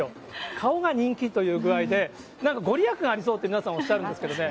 顔が人気という具合で、なんか御利益がありそうって、皆さんおっしゃるんですけどね。